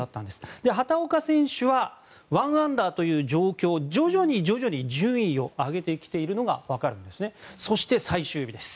畑岡選手は１アンダーという状況で徐々に順位を上げてきているのが分かるんですね。